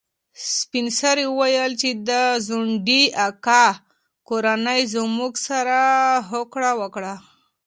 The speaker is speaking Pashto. سپین سرې وویل چې د ځونډي اکا کورنۍ زموږ سره هوکړه وکړه.